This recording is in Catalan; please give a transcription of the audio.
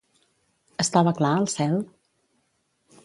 Estava clar, el cel?